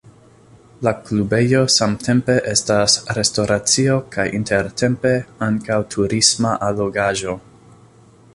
La klubejo samtempe estas restoracio kaj intertempe ankaŭ turisma allogaĵo.